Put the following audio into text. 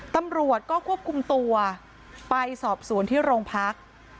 ตำรวจก็ควบคุมตัวไปสอบสวนที่โรงพัก